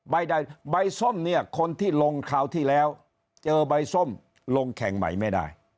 ใดใบส้มเนี่ยคนที่ลงคราวที่แล้วเจอใบส้มลงแข่งใหม่ไม่ได้